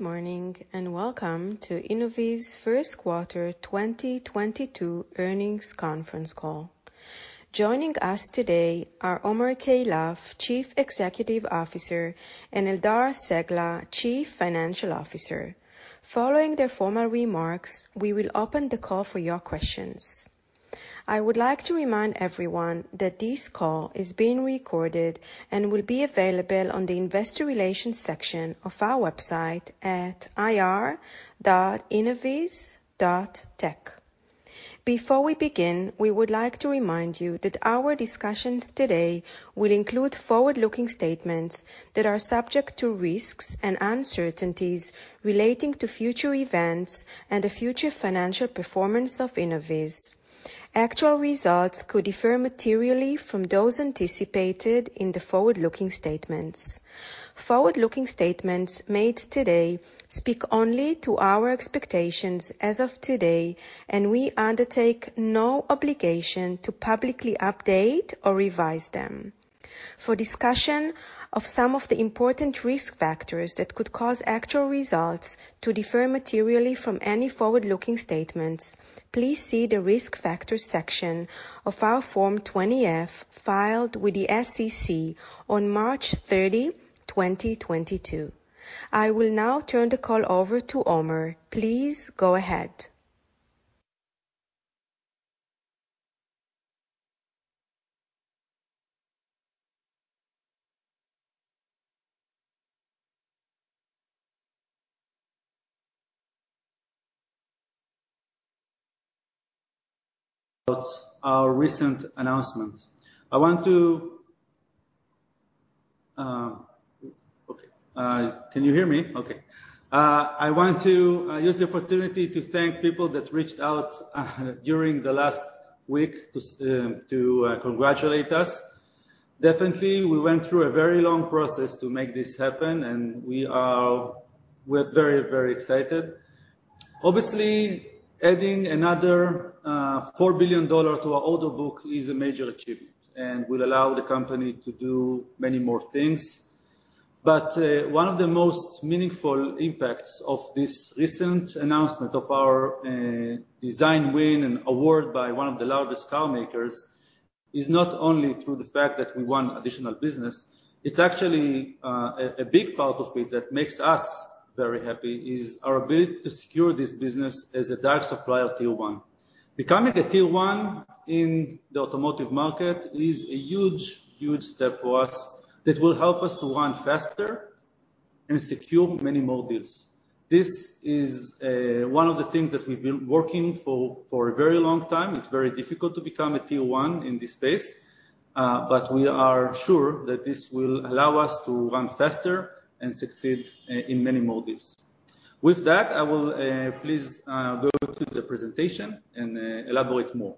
Good morning, and welcome to Innoviz's Q1 2022 earnings Conference Call. Joining us today are Omer Keilaf, Chief Executive Officer, and Eldar Cegla, Chief Financial Officer. Following their formal remarks, we will open the call for your questions. I would like to remind everyone that this call is being recorded and will be available on the investor relations section of our website at ir.innoviz.tech. Before we begin, we would like to remind you that our discussions today will include forward-looking statements that are subject to risks and uncertainties relating to future events and the future financial performance of Innoviz. Actual results could differ materially from those anticipated in the forward-looking statements. Forward-looking statements made today speak only to our expectations as of today, and we undertake no obligation to publicly update or revise them. For discussion of some of the important risk factors that could cause actual results to differ materially from any forward-looking statements, please see the Risk Factors section of our Form 20-F filed with the SEC on March 30, 2022. I will now turn the call over to Omer. Please go ahead. About our recent announcement. Okay. Can you hear me? Okay. I want to use the opportunity to thank people that reached out during the last week to congratulate us. Definitely, we went through a very long process to make this happen, and we're very, very excited. Obviously, adding another $4 billion to our order book is a major achievement and will allow the company to do many more things. One of the most meaningful impacts of this recent announcement of our design win and award by one of the largest car makers is not only through the fact that we won additional business. It's actually a big part of it that makes us very happy is our ability to secure this business as a direct supplier Tier 1. Becoming a Tier 1 in the automotive market is a huge step for us that will help us to run faster and secure many more deals. This is one of the things that we've been working for a very long-time. It's very difficult to become a Tier 1 in this space, but we are sure that this will allow us to run faster and succeed in many more deals. With that, I will please go to the presentation and elaborate more.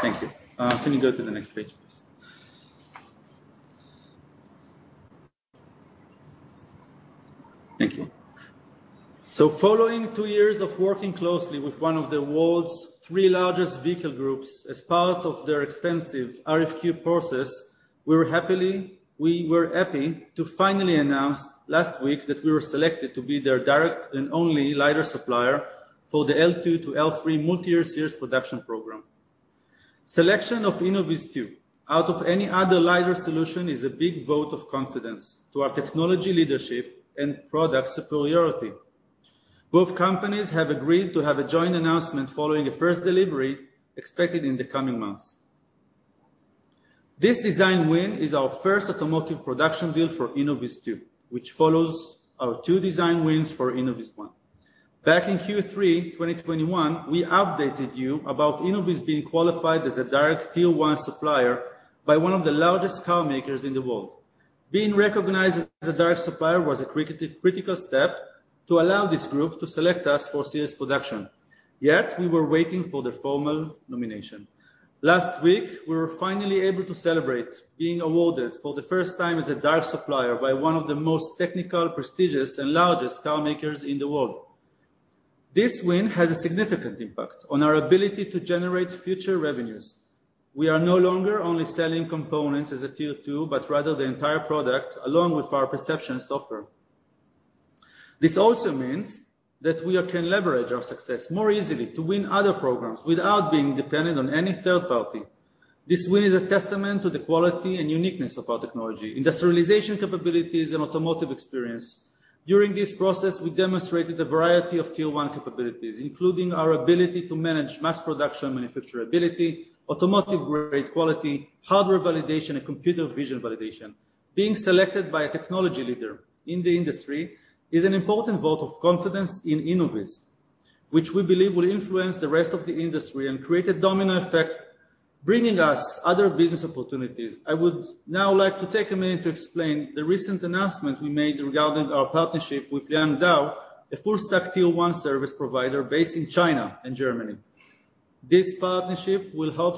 Thank you. Can you go to the next page, please? Thank you. Following two years of working closely with one of the world's three largest vehicle groups as part of their extensive RFQ process, we were happy to finally announce last week that we were selected to be their direct and only LiDAR supplier for the L2 to L3 multi-year series production program. Selection of InnovizTwo out of any other LiDAR solution is a big vote of confidence to our technology leadership and product superiority. Both companies have agreed to have a joint announcement following a first delivery expected in the coming months. This design win is our first automotive production deal for InnovizTwo, which follows our two design wins for InnovizOne. Back in Q3 2021, we updated you about Innoviz being qualified as a direct Tier 1 supplier by one of the largest car makers in the world. Being recognized as a direct supplier was a critical step to allow this group to select us for serious production. Yet, we were waiting for the formal nomination. Last week, we were finally able to celebrate being awarded for the first time as a direct supplier by one of the most technical, prestigious, and largest car makers in the world. This win has a significant impact on our ability to generate future revenues. We are no longer only selling components as a Tier 2, but rather the entire product along with our Perception Software. This also means that we can leverage our success more easily to win other programs without being dependent on any third party. This win is a testament to the quality and uniqueness of our technology, industrialization capabilities, and automotive experience. During this process, we demonstrated a variety of Tier 1 capabilities, including our ability to manage mass production manufacturability, automotive-grade quality, hardware validation, and computer vision validation. Being selected by a technology leader in the industry is an important vote of confidence in Innoviz, which we believe will influence the rest of the industry and create a domino effect, bringing us other business opportunities. I would now like to take a minute to explain the recent announcement we made regarding our partnership with LiangDao, a full-stack Tier 1 service provider based in China and Germany. This partnership will help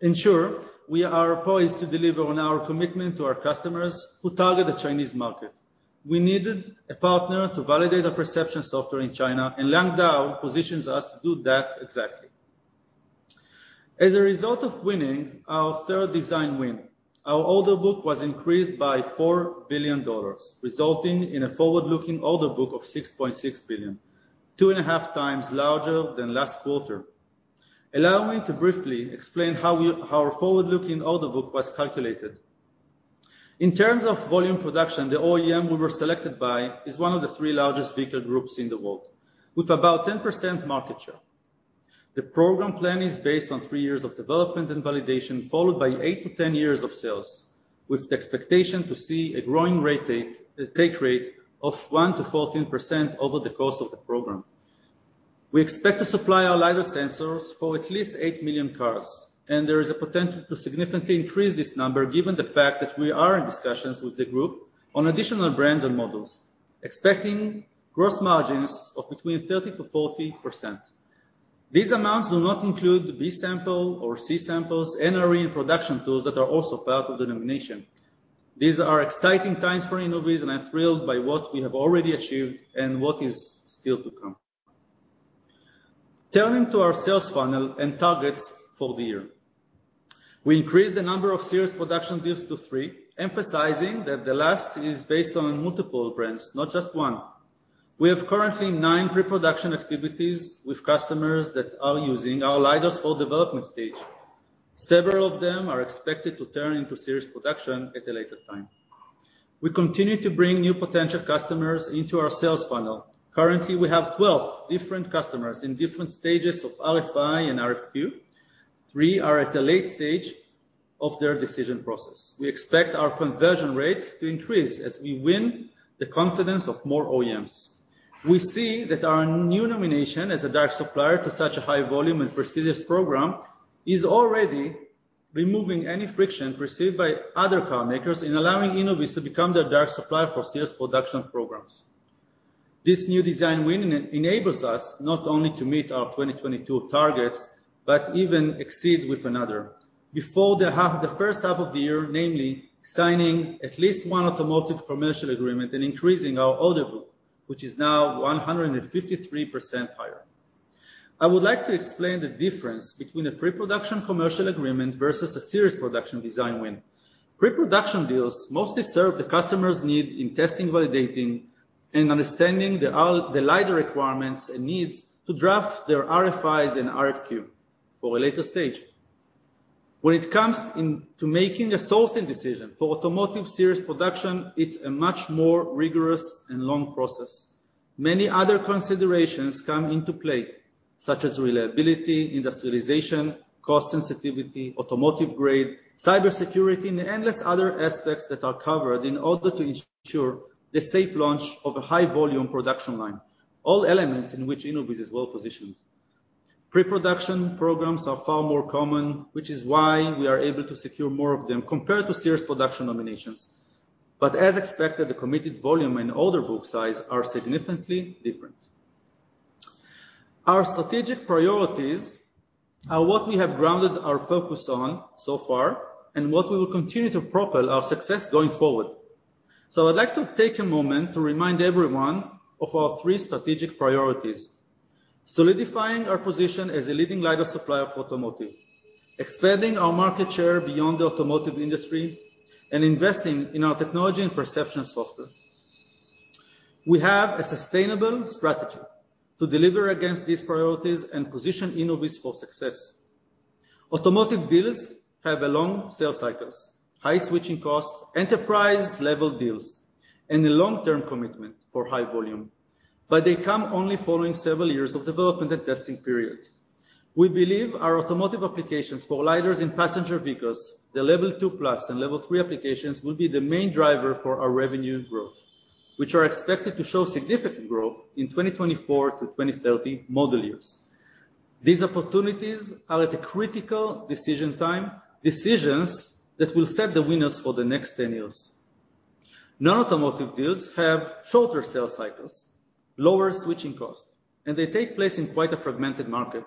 ensure we are poised to deliver on our commitment to our customers who target the Chinese market. We needed a partner to validate the Perception Software in China, and LiangDao positions us to do that exactly. As a result of winning our third design win, our order book was increased by $4 billion, resulting in a forward-looking order book of $6.6 billion, 2.5 times larger than last quarter. Allow me to briefly explain how our forward-looking order book was calculated. In terms of volume production, the OEM we were selected by is one of the three largest vehicle groups in the world with about 10% market share. The program plan is based on 3 years of development and validation, followed by 8-10 years of sales, with the expectation to see a growing rate take rate of 1%-14% over the course of the program. We expect to supply our LiDAR sensors for at least 8 million cars, and there is a potential to significantly increase this number given the fact that we are in discussions with the group on additional brands and models, expecting gross margins of between 30%-40%. These amounts do not include the B-sample or C-samples, NRE, and production tools that are also part of the nomination. These are exciting times for Innoviz, and I'm thrilled by what we have already achieved and what is still to come. Turning to our sales funnel and targets for the year. We increased the number of serious production deals to 3, emphasizing that the last is based on multiple brands, not just one. We have currently 9 pre-production activities with customers that are using our LiDARs for development stage. Several of them are expected to turn into serious production at a later time. We continue to bring new potential customers into our sales funnel. Currently, we have 12 different customers in different stages of RFI and RFQ. 3 are at a late stage of their decision process. We expect our conversion rate to increase as we win the confidence of more OEMs. We see that our new nomination as a direct supplier to such a high-volume and prestigious program is already removing any friction received by other car makers in allowing Innoviz to become their direct supplier for serious production programs. This new design win enables us not only to meet our 2022 targets, but even exceed with another. Before the first half of the year, namely signing at least one automotive commercial agreement and increasing our order book, which is now 153% higher. I would like to explain the difference between a pre-production commercial agreement versus a serious production design win. Pre-production deals mostly serve the customer's need in testing, validating, and understanding the LiDAR requirements and needs to draft their RFIs and RFQ for a later stage. When it comes in to making a sourcing decision for automotive serious production, it's a much more rigorous and long process. Many other considerations come into play, such as reliability, industrialization, cost sensitivity, automotive grade, cybersecurity, and endless other aspects that are covered in order to ensure the safe launch of a high-volume production line. All elements in which Innoviz is well-positioned. Pre-production programs are far more common, which is why we are able to secure more of them compared to serious production nominations. As expected, the committed volume and order book size are significantly different. Our strategic priorities are what we have grounded our focus on so far and what we will continue to propel our success going forward. I'd like to take a moment to remind everyone of our three strategic priorities, solidifying our position as a leading LiDAR supplier for automotive, expanding our market share beyond the automotive industry, and investing in our technology and Perception Software. We have a sustainable strategy to deliver against these priorities and position Innoviz for success. Automotive deals have a long-sales cycles, high switching costs, enterprise-level deals, and a long-term commitment for high-volume. They come only following several years of development and testing period. We believe our automotive applications for LiDARs in passenger vehicles, the level two plus and level three applications will be the main driver for our revenue growth, which are expected to show significant growth in 2024 to 2030 model years. These opportunities are at a critical decision time, decisions that will set the winners for the next 10 years. Non-automotive deals have shorter-sales cycles, lower-switching costs, and they take place in quite a fragmented market.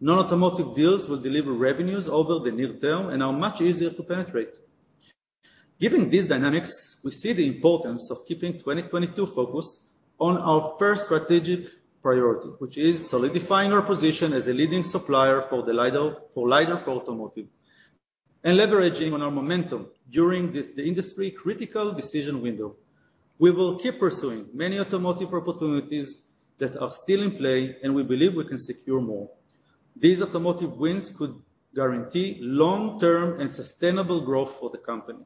Non-automotive deals will deliver revenues over the near term and are much easier to penetrate. Given these dynamics, we see the importance of keeping 2022 focused on our first strategic priority, which is solidifying our position as a leading supplier for LiDAR for automotive and leveraging on our momentum during this, the industry-critical decision window. We will keep pursuing many automotive opportunities that are still in play, and we believe we can secure more. These automotive wins could guarantee long-term and sustainable growth for the company.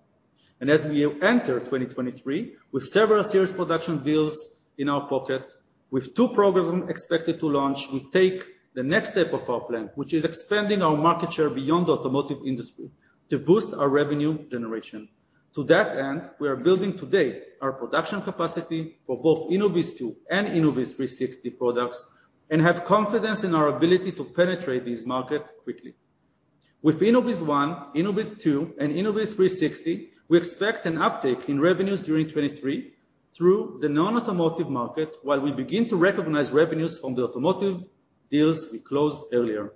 As we enter 2023 with several serious production deals in our pocket, with 2 programs expected to launch, we take the next step of our plan, which is expanding our market share beyond the automotive industry to boost our revenue generation. To that end, we are building today our production capacity for both Innoviz2 and Innoviz360 products and have confidence in our ability to penetrate these markets quickly. With Innoviz1, Innoviz2, and Innoviz360, we expect an uptick in revenues during 2023 through the non-automotive market while we begin to recognize revenues from the automotive deals we closed earlier.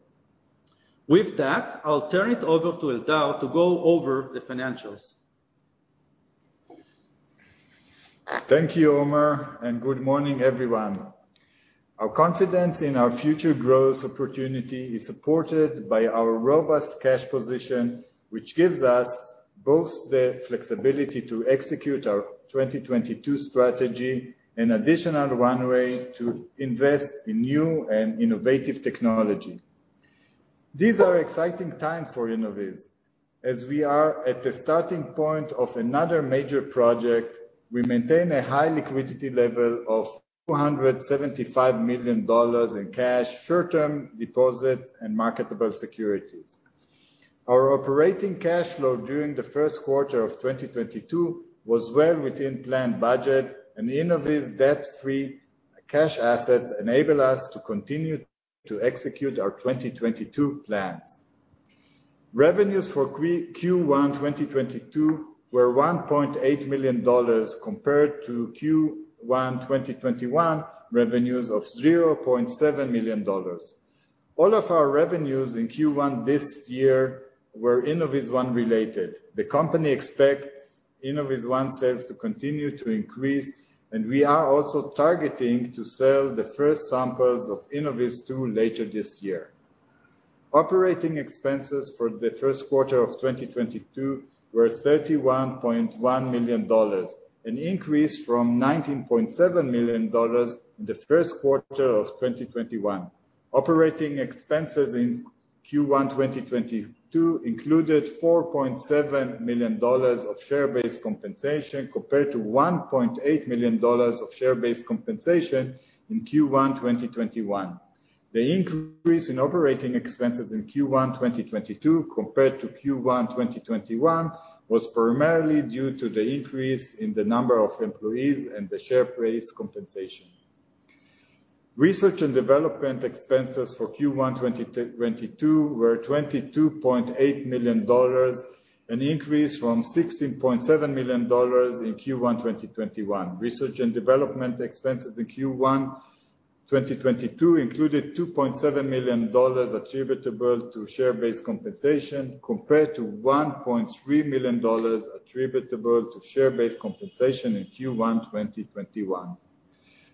With that, I'll turn it over to Eldar to go over the financials. Thank you, Omer, and good morning, everyone. Our confidence in our future growth opportunity is supported by our robust cash position, which gives us both the flexibility to execute our 2022 strategy and additional runway to invest in new and innovative technology. These are exciting times for Innoviz, as we are at the starting point of another major project. We maintain a high-liquidity level of $275 million in cash, short-term deposits, and marketable securities. Our operating cash flow during the Q1 2022 was well within planned budget, and Innoviz debt-free cash assets enable us to continue to execute our 2022 plans. Revenues for Q1 2022 were $1.8 million compared to Q1 2021 revenues of $0.7 million. All of our revenues in Q1 this year were InnovizOne-related. The company expects InnovizOne sales to continue to increase, and we are also targeting to sell the first samples of InnovizTwo later this year. Operating expenses for the Q1 2022 were $31.1 million, an increase from $19.7 million in the Q1 2021. Operating expenses in Q1 2022 included $4.7 million of share-based compensation, compared to $1.8 million of share-based compensation in Q1 2021. The increase in operating expenses in Q1 2022 compared to Q1 2021 was primarily due to the increase in the number of employees and the share-based compensation. Research and development expenses for Q1 2022 were $22.8 million, an increase from $16.7 million in Q1 2021. Research and development expenses in Q1 2022 included $2.7 million attributable to share-based compensation, compared to $1.3 million attributable to share-based compensation in Q1 2021.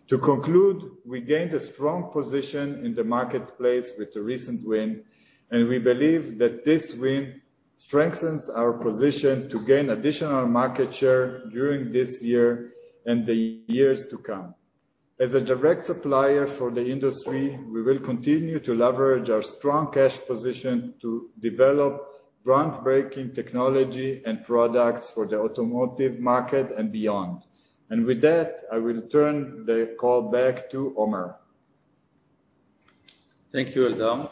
To conclude, we gained a strong position in the marketplace with the recent win, and we believe that this win strengthens our position to gain additional market share during this year and the years to come. As a direct supplier for the industry, we will continue to leverage our strong cash position to develop groundbreaking technology and products for the automotive market and beyond. With that, I will turn the call back to Omer Keilaf. Thank you, Eldar.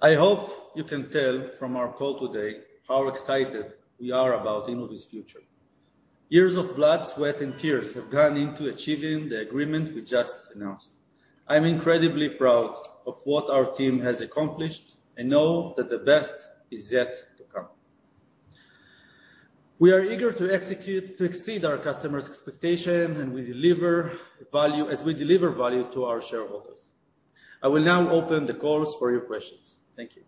I hope you can tell from our call today how excited we are about Innoviz's future. Years of blood, sweat, and tears have gone into achieving the agreement we just announced. I'm incredibly proud of what our team has accomplished and know that the best is yet to come. We are eager to execute to exceed our customer's expectation, and we deliver value as we deliver value to our shareholders. I will now open the calls for your questions. Thank you.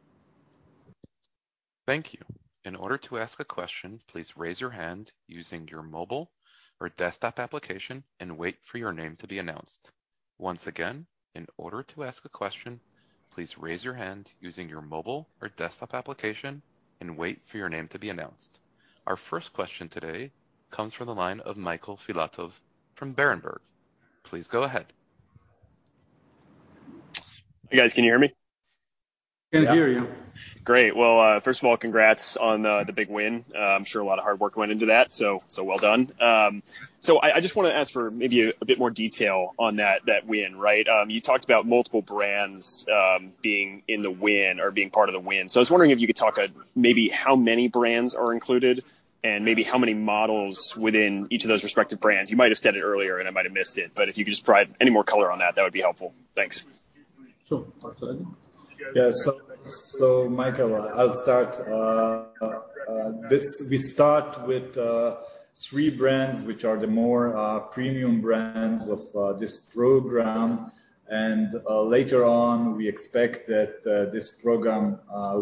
Thank you. In order to ask a question, please raise your hand using your mobile or desktop application and wait for your name to be announced. Once again, in order to ask a question, please raise your hand using your mobile or desktop application and wait for your name to be announced. Our first question today comes from the line of Michael Filatov from Berenberg. Please go ahead. You guys, can you hear me? Can hear you. Great. Well, first of all, congrats on the big win. I'm sure a lot of hard work went into that, so well done. I just wanna ask for maybe a bit more detail on that win, right? You talked about multiple brands being in the win or being part of the win. I was wondering if you could talk maybe how many brands are included and maybe how many models within each of those respective brands. You might have said it earlier, and I might have missed it, but if you could just provide any more color on that would be helpful. Thanks. Sure. Michael, I'll start. We start with three brands, which are the more premium brands of this program. Later on, we expect that this program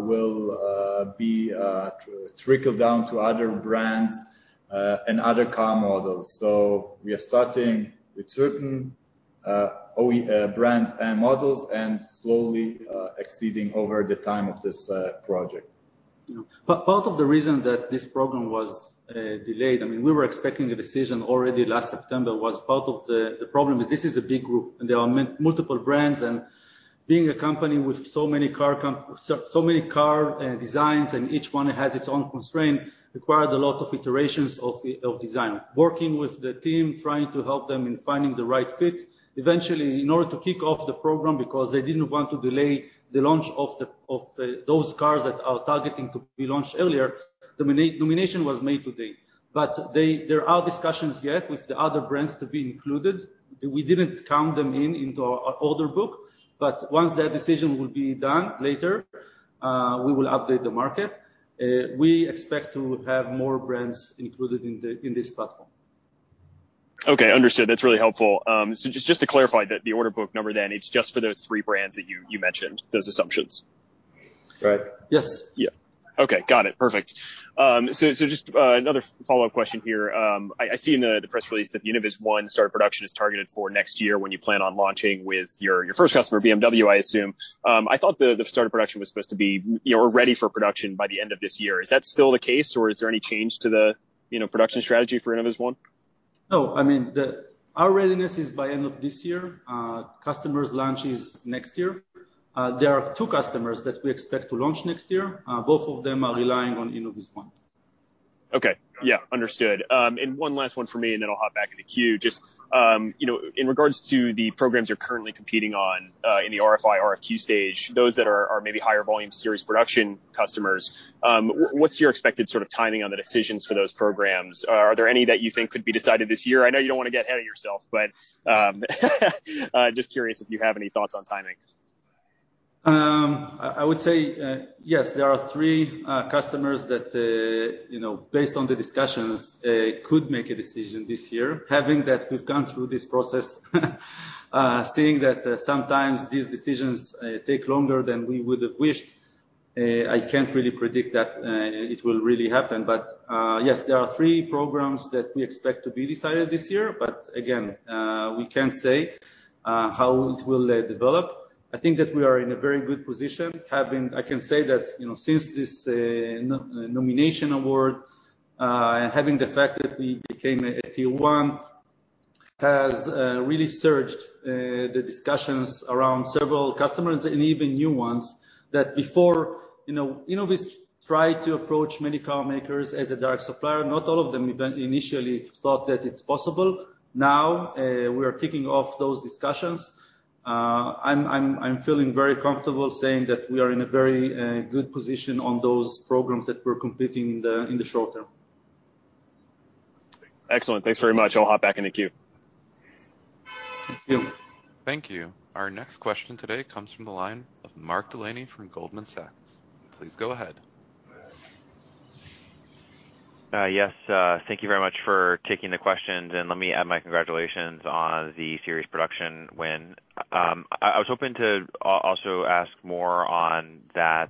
will trickle down to other brands and other car models. We are starting with certain OEM brands and models and slowly expanding over the time of this project. Part of the reason that this program was delayed, I mean, we were expecting a decision already last September, was part of the problem is this is a big group, and there are multiple brands. Being a company with so many car designs and each one has its own constraint required a lot of iterations of design. Working with the team, trying to help them in finding the right fit. Eventually, in order to kick off the program because they didn't want to delay the launch of those cars that are targeting to be launched earlier, nomination was made today. There are discussions yet with the other brands to be included. We didn't count them into our order book, but once that decision will be done later, we will update the market. We expect to have more brands included in the, in this platform. Okay, understood. That's really helpful. Just to clarify that the order book number then it's just for those three brands that you mentioned, those assumptions? Right. Yes. Yeah. Okay. Got it. Perfect. Just another follow-up question here. I see in the press release that the InnovizOne start production is targeted for next year when you plan on launching with your first customer, BMW, I assume. I thought the start of production was supposed to be, you know, or ready for production by the end of this year. Is that still the case, or is there any change to the, you know, production strategy for InnovizOne? No. I mean, our readiness is by end of this year. Customer's launch is next year. There are two customers that we expect to launch next year. Both of them are relying on InnovizOne. Okay. Yeah, understood. One last one for me, and then I'll hop back in the queue. Just, you know, in regards to the programs you're currently competing on, in the RFI, RFQ stage, those that are maybe higher-volume series production customers, what's your expected sort of timing on the decisions for those programs? Are there any that you think could be decided this year? I know you don't wanna get ahead of yourself, but just curious if you have any thoughts on timing. I would say yes, there are three customers that you know based on the discussions could make a decision this year. Having that we've gone through this process, seeing that sometimes these decisions take longer than we would have wished, I can't really predict that it will really happen. Yes, there are three programs that we expect to be decided this year, but again, we can't say how it will develop. I think that we are in a very good position. I can say that you know since this nomination award and having the fact that we became a Tier 1 has really surged the discussions around several customers and even new ones that before you know Innoviz tried to approach many car makers as a direct supplier. Not all of them even initially thought that it's possible. Now, we are kicking off those discussions. I'm feeling very comfortable saying that we are in a very good position on those programs that we're competing in the short-term. Excellent. Thanks very much. I'll hop back in the queue. Thank you. Thank you. Our next question today comes from the line of Mark Delaney from Goldman Sachs. Please go ahead. Yes. Thank you very much for taking the questions, and let me add my congratulations on the series production win. I was hoping to also ask more on that.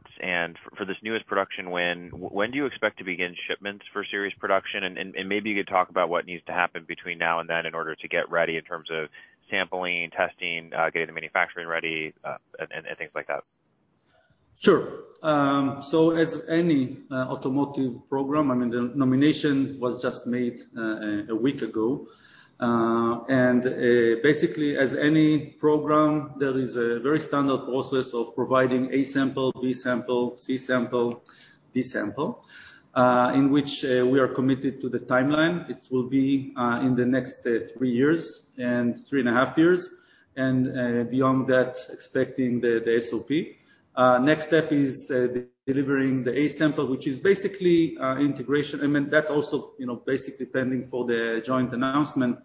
For this newest production win, when do you expect to begin shipments for series production? Maybe you could talk about what needs to happen between now and then in order to get ready in terms of sampling, testing, getting the manufacturing ready, and things like that. Sure. As any automotive program, I mean, the nomination was just made a week ago. Basically, as any program, there is a very standard process of providing A sample, B sample, C sample, D sample. In which we are committed to the timeline. It will be in the next three years and three and a half-years. Beyond that, expecting the SOP. Next step is delivering the A sample, which is basically integration. I mean, that's also, you know, basically pending for the joint announcement,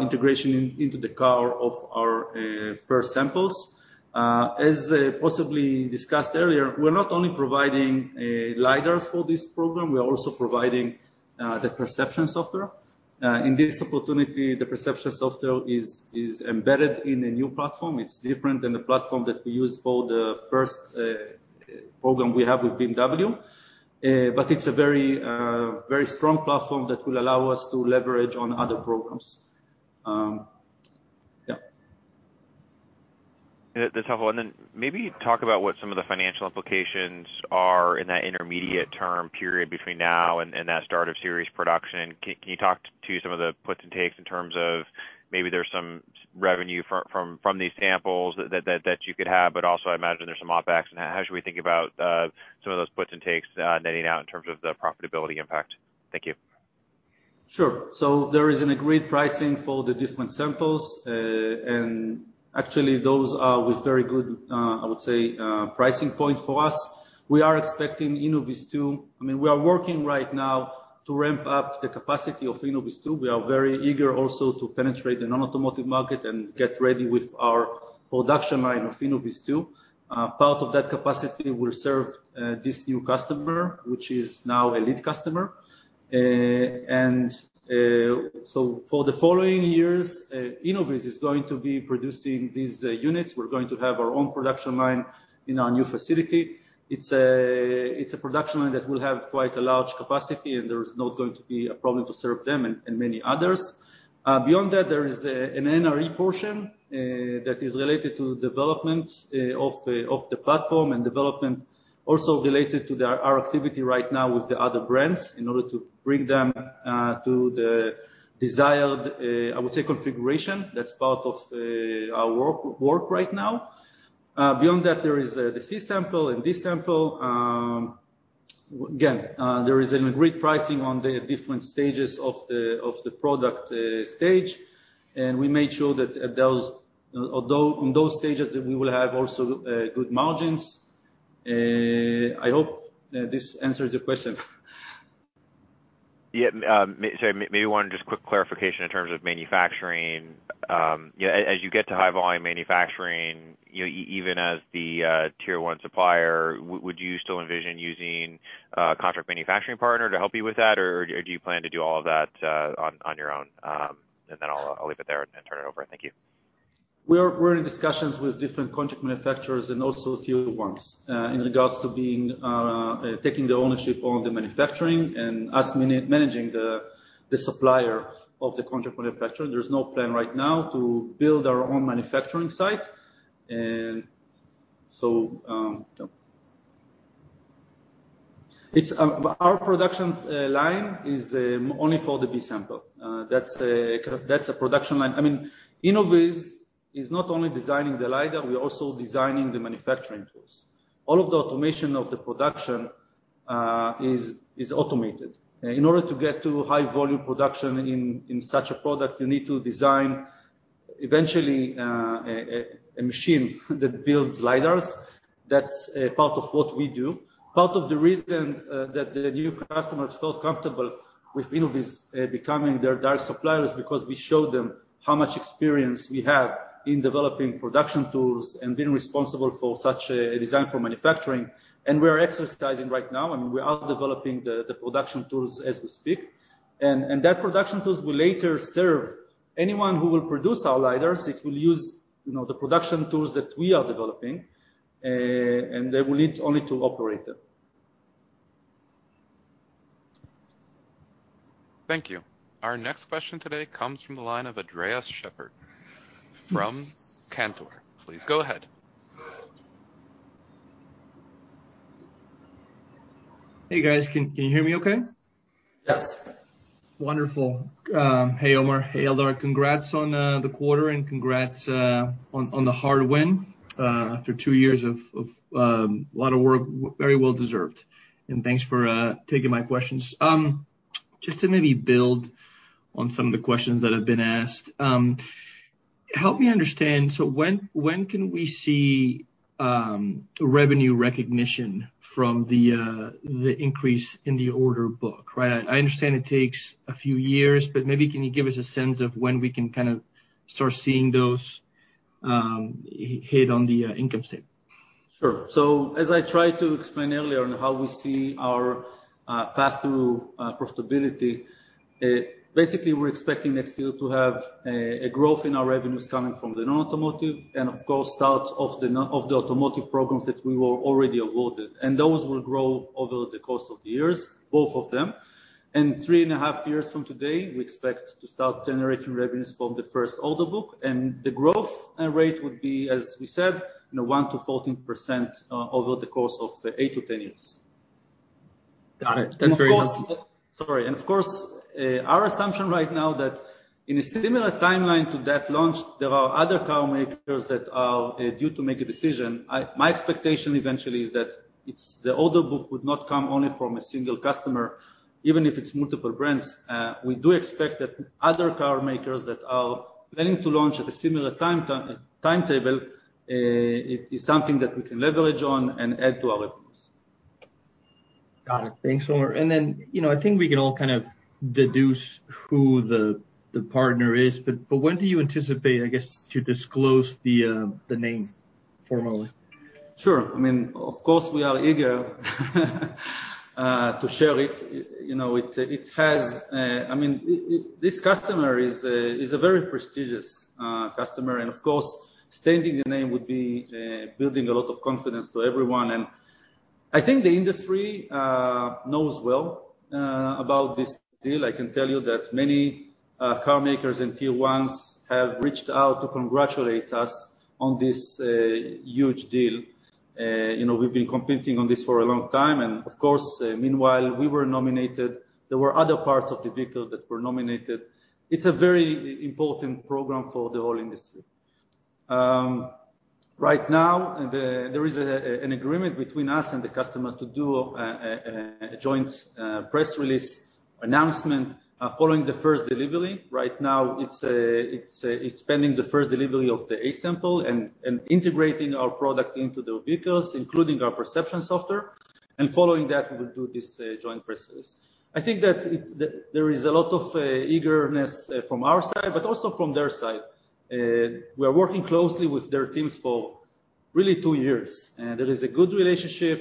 integration into the car of our first samples. As possibly discussed earlier, we're not only providing LiDARs for this program, we are also providing the Perception Software. In this opportunity, the Perception Software is embedded in a new platform. It's different than the platform that we used for the first program we have with BMW. It's a very strong platform that will allow us to leverage on other programs. Yeah, that's helpful. Then maybe talk about what some of the financial implications are in that intermediate term period between now and that start of series production. Can you talk to some of the puts and takes in terms of maybe there's some revenue from these samples that you could have, but also I imagine there's some OpEx. How should we think about some of those puts and takes netting out in terms of the profitability impact? Thank you. Sure. There is an agreed pricing for the different samples. Actually, those are with very good, I would say, pricing point for us. We are working right now to ramp up the capacity of InnovizTwo. We are very eager also to penetrate the non-automotive market and get ready with our production line of InnovizTwo. Part of that capacity will serve this new customer, which is now a lead customer. For the following years, Innoviz is going to be producing these units. We're going to have our own production line in our new facility. It's a production line that will have quite a large capacity, and there is not going to be a problem to serve them and many others. Beyond that, there is an NRE portion that is related to development of the platform and development also related to our activity right now with the other brands in order to bring them to the desired, I would say, configuration. That's part of our work right now. Beyond that, there is the C-sample and D-sample. Again, there is an agreed pricing on the different stages of the product stage. We made sure that those in those stages that we will have also good margins. I hope this answers your question. Maybe one just quick clarification in terms of manufacturing. Yeah, as you get to high-volume manufacturing, even as the Tier 1 supplier, would you still envision using contract manufacturing partner to help you with that? Or do you plan to do all of that on your own? I'll leave it there and turn it over. Thank you. We're in discussions with different contract manufacturers and also Tier 1s in regards to being taking the ownership on the manufacturing and us managing the supplier of the contract manufacturer. There's no plan right now to build our own manufacturing site. Our production line is only for the B-sample. That's a production line. I mean, Innoviz is not only designing the LiDAR, we're also designing the manufacturing tools. All of the automation of the production is automated. In order to get to high-volume production in such a product, you need to design eventually a machine that builds LiDARs. That's part of what we do. Part of the reason that the new customers felt comfortable with Innoviz becoming their LiDAR supplier is because we showed them how much experience we have in developing production tools and being responsible for such a design for manufacturing. We are executing right now, and we are developing the production tools as we speak. That production tools will later serve anyone who will produce our LiDARs. It will use, you know, the production tools that we are developing, and they will need only to operate them. Thank you. Our next question today comes from the line of Andres Sheppard from Cantor. Please go ahead. Hey, guys. Can you hear me okay? Yes. Wonderful. Hey, Omer. Hey, Eldar. Congrats on the quarter, and congrats on the design win after two years of a lot of work. Very well-deserved. Thanks for taking my questions. Just to maybe build on some of the questions that have been asked, help me understand. When can we see revenue recognition from the increase in the order book? Right. I understand it takes a few years, but maybe can you give us a sense of when we can kinda start seeing those hit on the income statement? Sure. As I tried to explain earlier on how we see our path to profitability, basically we're expecting next year to have a growth in our revenues coming from the non-automotive and of course, start of the automotive programs that we were already awarded. Those will grow over the course of years, both of them. Three and a half-years from today, we expect to start generating revenues from the first order book. The growth rate would be, as we said, you know, 1%-14% over the course of 8-10 years. Got it. That's very helpful. Of course, our assumption right now that in a similar timeline to that launch, there are other car makers that are due to make a decision. My expectation eventually is that the order book would not come only from a single customer, even if it's multiple brands. We do expect that other car makers that are planning to launch at a similar timetable, it is something that we can leverage on and add to our revenues. Got it. Thanks, Omer. You know, I think we can all kind of deduce who the partner is, but when do you anticipate, I guess, to disclose the name formally? Sure. I mean, of course we are eager to share it. You know, it has. I mean, this customer is a very prestigious customer, and of course, stating the name would be building a lot of confidence to everyone. I think the industry knows well about this deal. I can tell you that many car makers and Tier 1s have reached out to congratulate us on this huge deal. You know, we've been competing on this for a long-time, and of course, meanwhile we were nominated. There were other parts of the vehicle that were nominated. It's a very important program for the whole industry. Right now, there is an agreement between us and the customer to do a joint press release announcement following the first delivery. Right now, it's pending the first delivery of the A-sample and integrating our product into the vehicles, including our Perception Software. Following that, we will do this joint press release. I think that there is a lot of eagerness from our side, but also from their side. We are working closely with their teams for really two years, and there is a good relationship.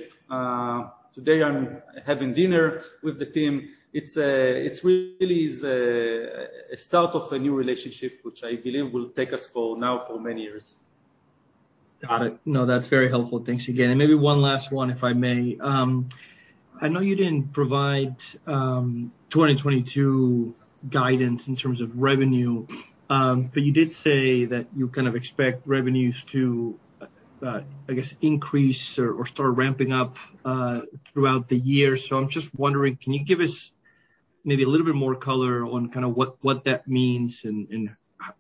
Today I'm having dinner with the team. It's really a start of a new relationship, which I believe will take us for now for many years. Got it. No, that's very helpful. Thanks again. Maybe one last one, if I may. I know you didn't provide 2022 guidance in terms of revenue, but you did say that you kind of expect revenues to, I guess, increase or start ramping up throughout the year. I'm just wondering, can you give us maybe a little bit more color on kinda what that means and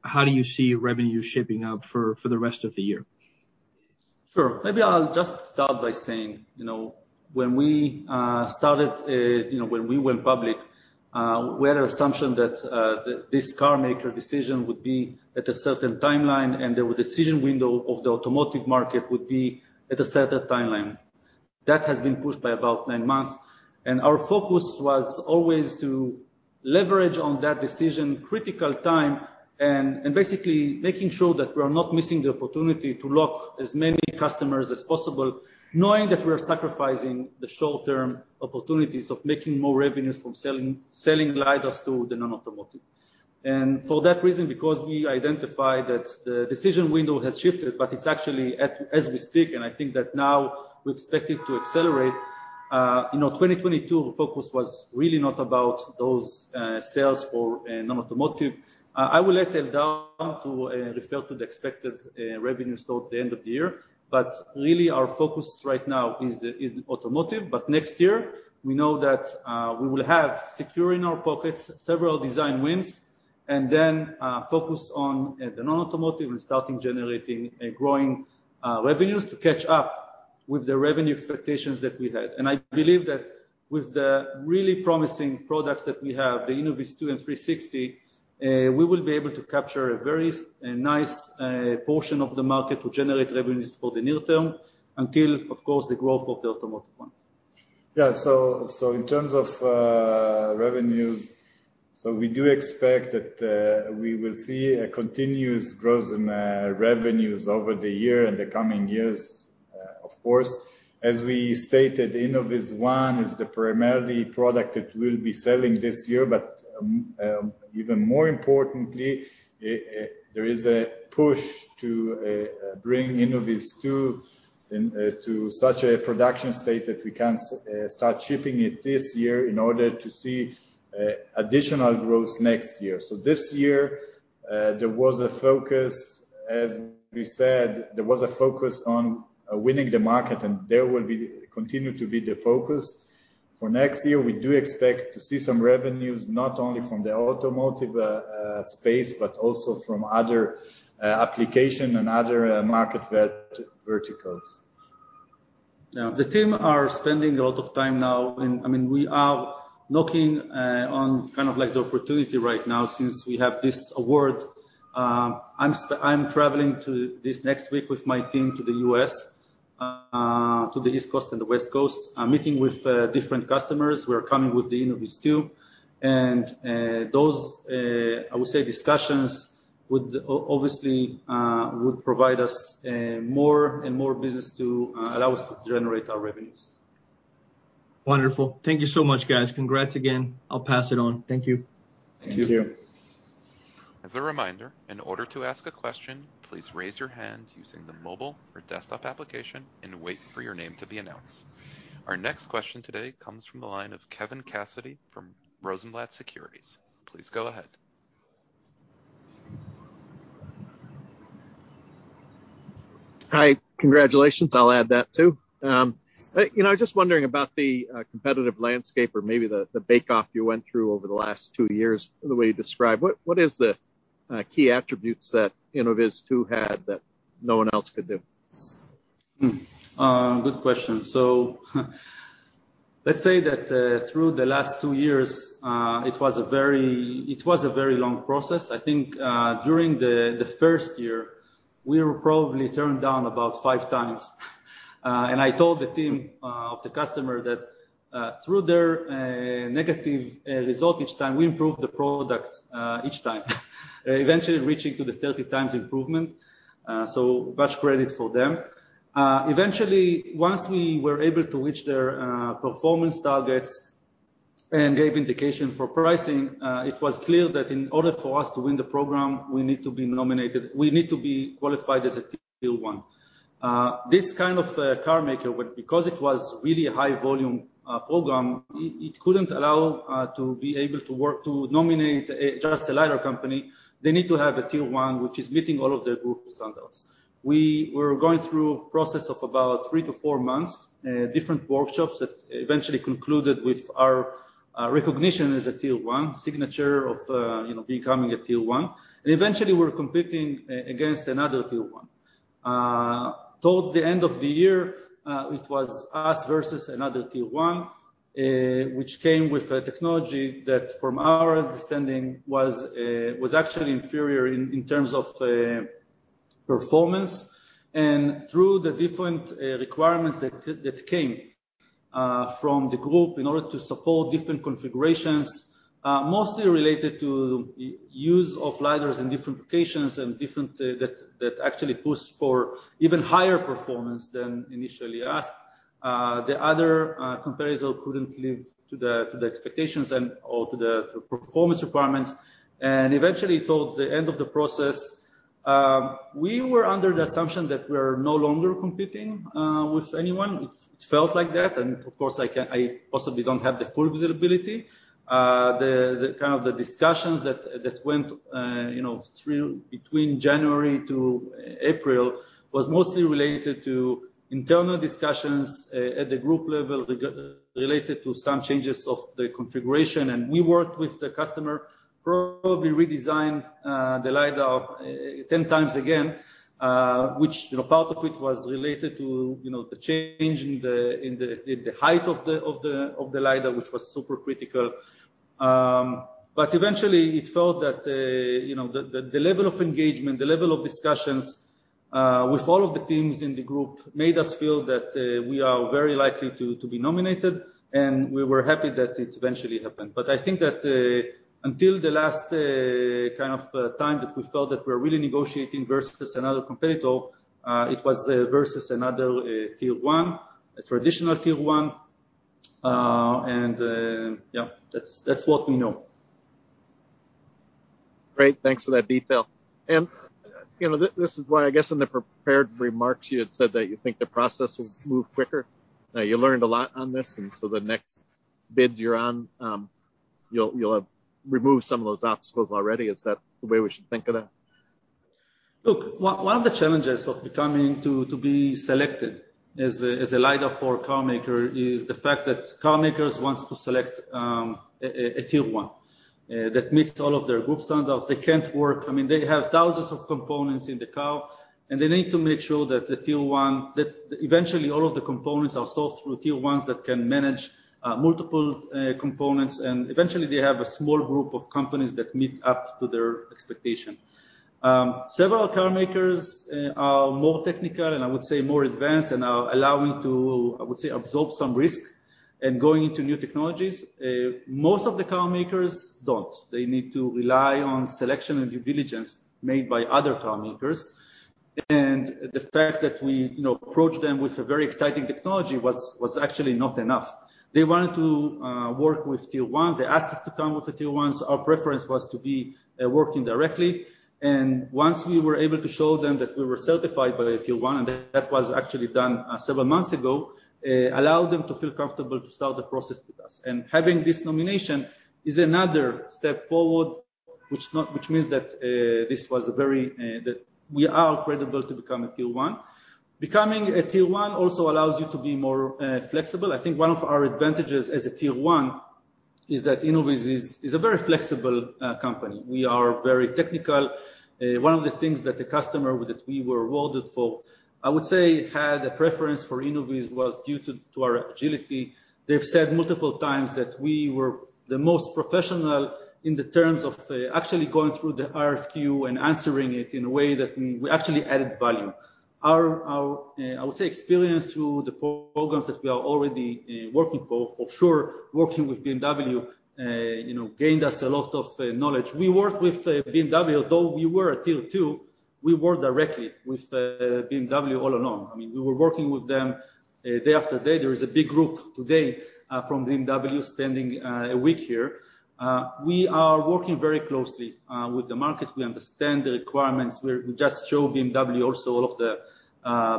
how do you see revenue shaping up for the rest of the year? Sure. Maybe I'll just start by saying, you know, when we started, you know, when we went public, we had an assumption that this car maker decision would be at a certain timeline, and the decision window of the automotive market would be at a certain timeline. That has been pushed by about nine months. Our focus was always to leverage on that decision critical time and basically making sure that we are not missing the opportunity to lock as many customers as possible, knowing that we are sacrificing the short-term opportunities of making more revenues from selling LiDARs to the non-automotive. For that reason, because we identified that the decision window has shifted, but it's actually at, as we speak, and I think that now we expect it to accelerate. You know, 2022, the focus was really not about those sales for non-automotive. I will let Eldar to refer to the expected revenues towards the end of the year. Really our focus right now is automotive. Next year we know that we will have secured in our pockets several design wins and then focus on the non-automotive and starting generating and growing revenues to catch up with the revenue expectations that we had. I believe that with the really promising products that we have, the InnovizTwo and Innoviz360, we will be able to capture a nice portion of the market to generate revenues for the near term until, of course, the growth of the automotive one. Yeah. In terms of revenues, we do expect that we will see a continuous growth in revenues over the year and the coming years, of course. As we stated, InnovizOne is the primary product that we'll be selling this year. Even more importantly, there is a push to bring InnovizTwo into such a production state that we can start shipping it this year in order to see additional growth next year. This year, there was a focus, as we said, on winning the market and there will continue to be the focus. For next year, we do expect to see some revenues, not only from the automotive space, but also from other applications and other market verticals. Yeah. The team are spending a lot of time now. I mean, we are knocking on kind of like the opportunity right now since we have this award. I'm traveling this next week with my team to the US, to the East Coast and the West Coast. I'm meeting with different customers who are coming with the InnovizTwo. Those discussions would obviously provide us more and more business to allow us to generate our revenues. Wonderful. Thank you so much, guys. Congrats again. I'll pass it on. Thank you. Thank you. Thank you. As a reminder, in order to ask a question, please raise your hand using the mobile or desktop application and wait for your name to be announced. Our next question today comes from the line of Kevin Cassidy from Rosenblatt Securities. Please go ahead. Hi. Congratulations, I'll add that too. You know, just wondering about the competitive landscape or maybe the bake-off you went through over the last two years, the way you describe. What is the key attributes that InnovizTwo had that no one else could do? Good question. Let's say that through the last two years, it was a very long process. I think during the first year, we were probably turned down about five times. I told the team of the customer that through their negative result each time, we improved the product each time, eventually reaching the 30 times improvement. Much credit for them. Eventually, once we were able to reach their performance targets and gave indication for pricing, it was clear that in order for us to win the program, we need to be qualified as a Tier 1. This kind of car maker, because it was really a high-volume program, it couldn't allow to be able to work to nominate just a LiDAR company. They need to have a Tier 1 which is meeting all of their group standards. We were going through a process of about three to four months, different workshops that eventually concluded with our recognition as a Tier 1, signature of you know becoming a Tier 1. Eventually we're competing against another Tier 1. Towards the end of the year, it was us versus another Tier 1, which came with a technology that from our understanding was actually inferior in terms of performance. Through the different requirements that came from the group in order to support different configurations, mostly related to use of LiDARs in different locations actually pushed for even higher performance than initially asked. The other competitor couldn't live up to the expectations and/or to the performance requirements. Eventually towards the end of the process, we were under the assumption that we're no longer competing with anyone. It felt like that, and of course I possibly don't have the full visibility. The kind of discussions that went on, you know, between January to April was mostly related to internal discussions at the group level related to some changes of the configuration. We worked with the customer, probably redesigned the LiDAR 10 times again, which, you know, part of it was related to, you know, the change in the height of the LiDAR, which was super critical. Eventually it felt that, you know, the level of engagement, the level of discussions with all of the teams in the group made us feel that we are very likely to be nominated, and we were happy that it eventually happened. I think that until the last kind of time that we felt that we're really negotiating versus another competitor, it was versus another Tier 1, a traditional Tier 1. Yeah, that's what we know. Great. Thanks for that detail. You know, this is why, I guess in the prepared remarks, you had said that you think the process will move quicker. Now, you learned a lot on this, and so the next bid you're on, you'll have removed some of those obstacles already. Is that the way we should think of that? Look, one of the challenges to be selected as a LiDAR for car maker is the fact that car makers wants to select a Tier 1 that meets all of their group standards. They can't work. I mean, they have thousands of components in the car, and they need to make sure that the Tier 1 that eventually all of the components are sourced through Tier 1s that can manage multiple components, and eventually they have a small group of companies that meet up to their expectation. Several car makers are more technical and I would say more advanced and are allowing to, I would say absorb some risk in going into new technologies. Most of the car makers don't. They need to rely on selection and due diligence made by other car makers. The fact that we approached them with a very exciting technology was actually not enough. They wanted to work with Tier 1. They asked us to come with the Tier 1s. Our preference was to be working directly. Once we were able to show them that we were certified by a Tier 1, and that was actually done several months ago, allowed them to feel comfortable to start the process with us. Having this nomination is another step forward, which means that this was a very that we are credible to become a Tier 1. Becoming a Tier 1 also allows you to be more flexible. I think one of our advantages as a Tier 1 is that Innoviz is a very flexible company. We are very technical. One of the things that the customer that we were awarded for, I would say had a preference for Innoviz was due to our agility. They've said multiple times that we were the most professional in the terms of actually going through the RFQ and answering it in a way that we actually added value. Our, I would say experience through the programs that we are already working for sure, working with BMW, you know, gained us a lot of knowledge. We worked with BMW. Though we were a Tier 2, we worked directly with BMW all along. I mean, we were working with them day after day. There is a big group today from BMW spending a week here. We are working very closely with the market. We understand the requirements. We just showed BMW also all of the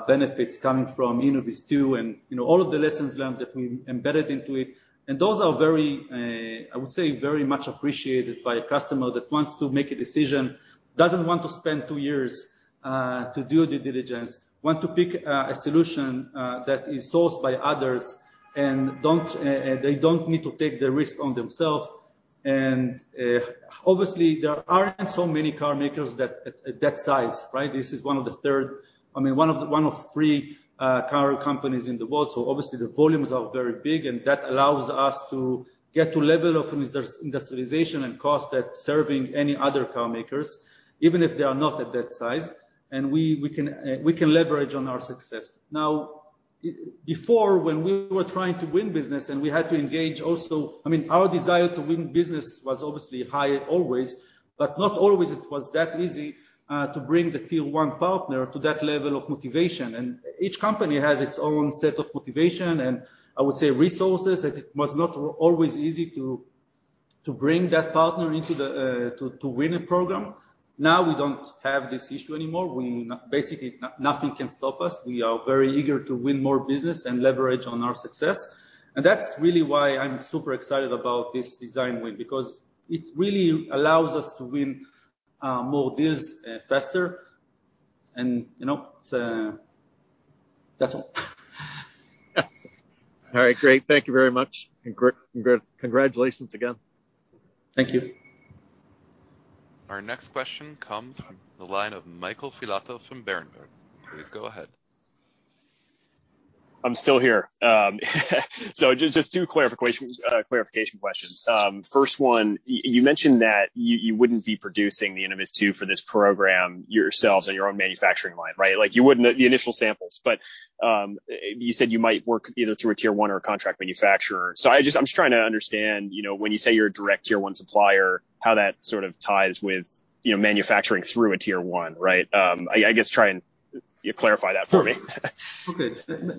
benefits coming from InnovizTwo and, you know, all of the lessons learned that we embedded into it. Those are very, I would say, very much appreciated by a customer that wants to make a decision, doesn't want to spend two years to do due diligence, want to pick a solution that is sourced by others and they don't need to take the risk on themselves. Obviously, there aren't so many car makers that at that size, right? This is one of three car companies in the world. Obviously the volumes are very big, and that allows us to get to level of industrialization and cost that serving any other car makers, even if they are not at that size. We can leverage on our success. Now, before, when we were trying to win business and we had to engage also. I mean, our desire to win business was obviously high always, but not always it was that easy to bring the Tier 1 partner to that level of motivation. Each company has its own set of motivation and, I would say, resources, that it was not always easy to bring that partner to win a program. Now we don't have this issue anymore. We basically, nothing can stop us. We are very eager to win more business and leverage on our success. That's really why I'm super excited about this design win, because it really allows us to win more deals faster. You know, that's all. All right, great. Thank you very much. Congratulations again. Thank you. Our next question comes from the line of Michael Filatov from Berenberg. Please go ahead. I'm still here. Just two clarification questions. First one, you mentioned that you wouldn't be producing the InnovizTwo for this program yourselves on your own manufacturing line, right? You said you might work either through a Tier 1 or a contract manufacturer. I'm just trying to understand, you know, when you say you're a direct Tier 1 supplier, how that sort of ties with, you know, manufacturing through a Tier 1, right? I guess, can you clarify that for me.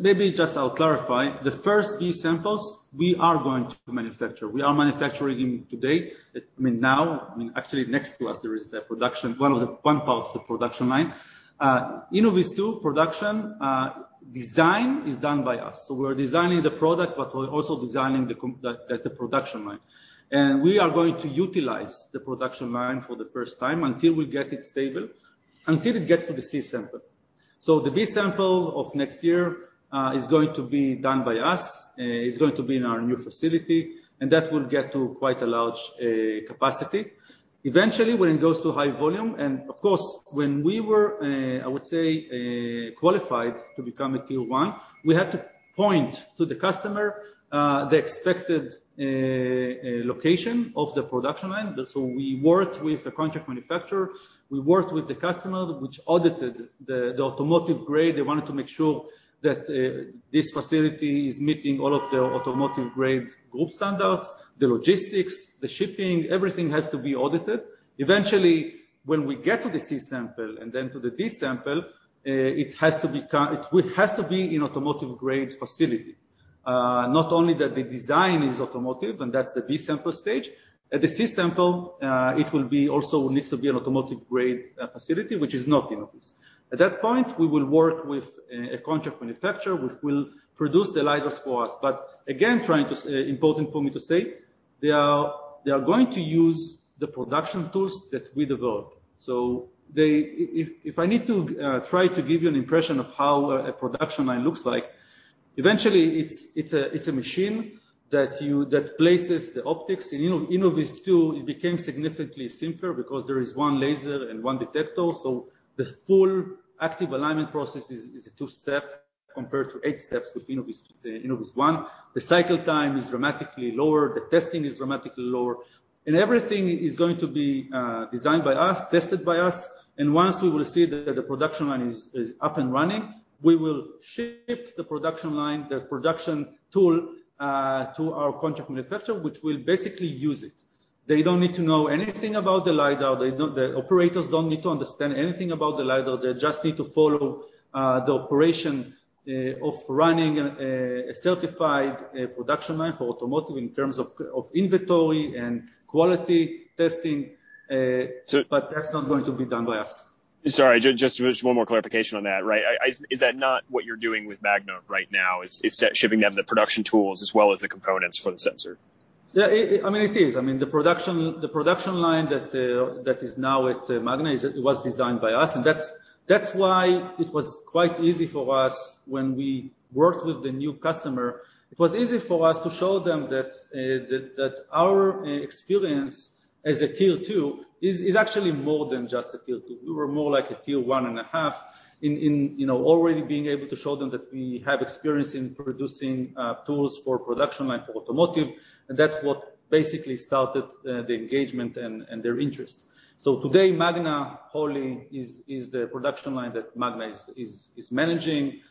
Maybe just I'll clarify. The first B-samples, we are going to manufacture. We are manufacturing today. I mean, now. I mean, actually next to us there is the production, one part of the production line. InnovizTwo production design is done by us. We're designing the product, but we're also designing the production line. We are going to utilize the production line for the first time until we get it stable, until it gets to the C-sample. The B-sample of next year is going to be done by us. It's going to be in our new facility, and that will get to quite a large capacity. Eventually, when it goes to high-volume and of course, when we were, I would say, qualified to become a Tier 1, we had to point to the customer the expected location of the production line. We worked with the contract manufacturer, we worked with the customer which audited the automotive grade. They wanted to make sure that this facility is meeting all of the automotive grade group standards, the logistics, the shipping, everything has to be audited. Eventually, when we get to the C-sample and then to the D-sample, it has to be an automotive-grade facility. Not only that the design is automotive, and that's the B-sample stage. At the C-sample, it will also need to be an automotive-grade facility, which is not Innoviz. At that point, we will work with a contract manufacturer which will produce the LiDARs for us. Again, trying to say, important for me to say, they are going to use the production tools that we develop. If I need to try to give you an impression of how a production line looks like, eventually it's a machine that places the optics. InnovizTwo, it became significantly simpler because there is one laser and one detector. So the full active alignment process is a two-step compared to eight steps with InnovizOne. The cycle time is dramatically lower, the testing is dramatically lower. Everything is going to be designed by us, tested by us, and once we will see that the production line is up and running, we will ship the production line, the production tool to our contract manufacturer, which will basically use it. They don't need to know anything about the LiDAR. The operators don't need to understand anything about the LiDAR. They just need to follow the operation of running a certified production line for automotive in terms of inventory and quality testing. That's not going to be done by us. Sorry, just one more clarification on that, right? Is that not what you're doing with Magna right now? Is shipping them the production tools as well as the components for the sensor? Yeah, I mean, it is. I mean, the production line that is now at Magna. It was designed by us. That's why it was quite easy for us when we worked with the new customer. It was easy for us to show them that our experience as a Tier 2 is actually more than just a Tier 2. We were more like a Tier 1 and a half, you know, already being able to show them that we have experience in producing tools for production line for automotive, and that what basically started the engagement and their interest. Today, Magna Holly is the production line that Magna is managing.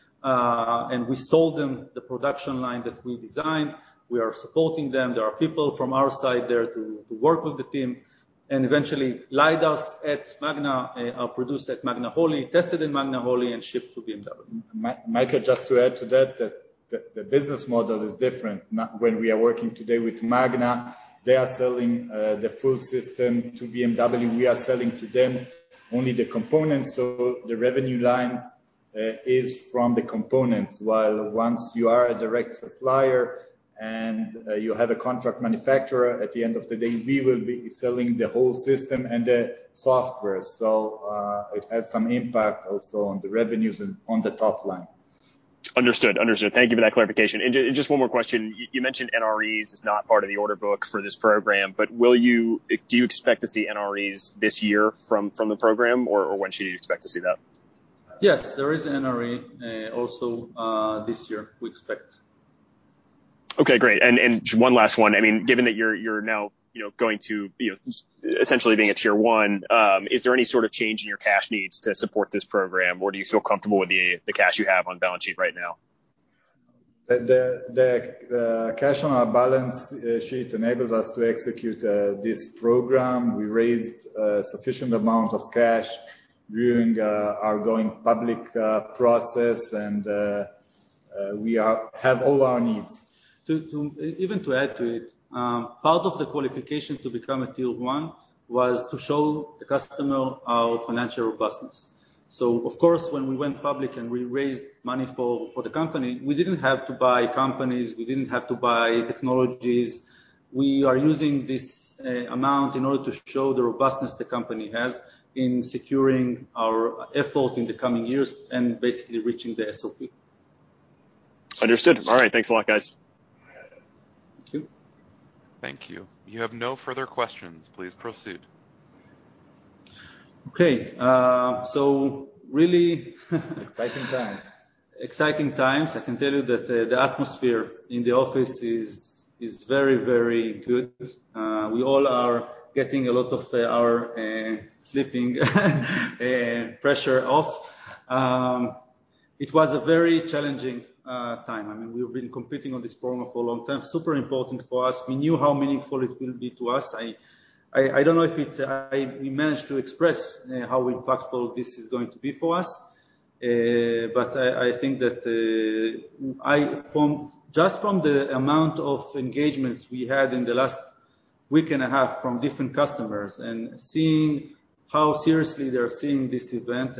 We sold them the production line that we designed. We are supporting them. There are people from our side there to work with the team. Eventually, LiDARs at Magna are produced at Magna Holly, tested in Magna Holly, and shipped to BMW. Michael, just to add to that, the business model is different. When we are working today with Magna, they are selling the full system to BMW. We are selling to them only the components. So the revenue lines is from the components. While once you are a direct supplier and you have a contract manufacturer, at the end of the day, we will be selling the whole system and the software. So it has some impact also on the revenues and on the top-line. Understood. Thank you for that clarification. Just one more question. You mentioned NREs is not part of the order book for this program, but do you expect to see NREs this year from the program, or when should you expect to see that? Yes, there is NRE, also, this year, we expect. Okay, great. One last one. I mean, given that you're now, you know, going to, you know, essentially being a Tier 1, is there any sort of change in your cash needs to support this program, or do you feel comfortable with the cash you have on balance sheet right now? The cash on our balance sheet enables us to execute this program. We raised a sufficient amount of cash during our going public process and we have all our needs. Even to add to it, part of the qualification to become a Tier 1 was to show the customer our financial robustness. Of course, when we went public and we raised money for the company, we didn't have to buy companies, we didn't have to buy technologies. We are using this amount in order to show the robustness the company has in securing our effort in the coming years and basically reaching the SOP. Understood. All right. Thanks a lot, guys. Thank you. Thank you. You have no further questions. Please proceed. Okay. Really Exciting times. Exciting times. I can tell you that the atmosphere in the office is very good. We all are getting a lot of our sleeping pressure off. It was a very challenging time. I mean, we've been competing on this program for a long-time. Super important for us. We knew how meaningful it will be to us. I don't know if we managed to express how impactful this is going to be for us. I think that just from the amount of engagements we had in the last week and a half from different customers and seeing how seriously they are seeing this event,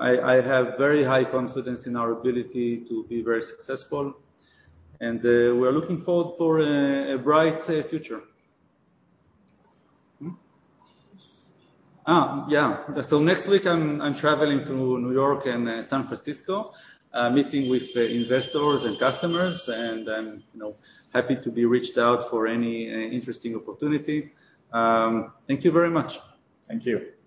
I have very high-confidence in our ability to be very successful. We are looking forward for a bright future. Yeah. Next week I'm traveling to New York and San Francisco, meeting with investors and customers, and I'm, you know, happy to be reached out for any interesting opportunity. Thank you very much. Thank you.